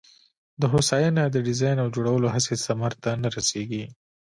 د هوساینه د ډیزاین او جوړولو هڅې ثمر ته نه رسېږي.